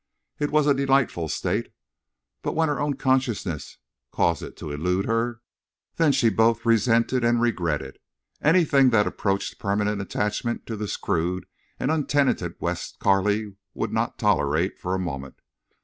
It was a delightful state. But when her own consciousness caused it to elude her, then she both resented and regretted. Anything that approached permanent attachment to this crude and untenanted West Carley would not tolerate for a moment.